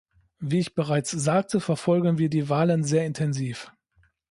Wie ich bereits sagte, verfolgen wir die Wahlen sehr intensiv.